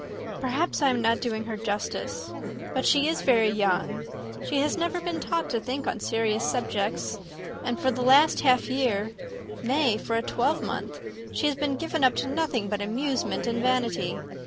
Perhaps I am not doing her justice. But she is very young: she has never been taught to think on serious subjects; and for the last half year, nay, for a twelvemonth, she has been given up to nothing but amusement and vanity.